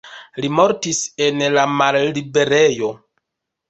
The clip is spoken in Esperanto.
Li mortis en la malliberejo.